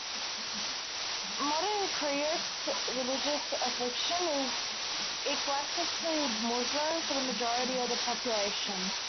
Modern Kyrgyz religious affiliation is eclectically Muslim for a majority of the population.